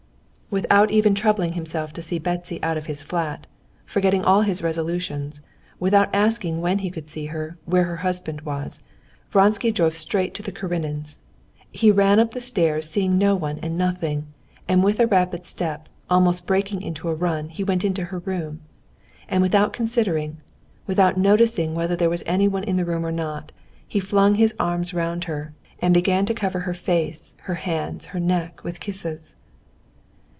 Without even troubling himself to see Betsy out of his flat, forgetting all his resolutions, without asking when he could see her, where her husband was, Vronsky drove straight to the Karenins'. He ran up the stairs seeing no one and nothing, and with a rapid step, almost breaking into a run, he went into her room. And without considering, without noticing whether there was anyone in the room or not, he flung his arms round her, and began to cover her face, her hands, her neck with kisses.